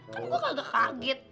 kan gua agak kaget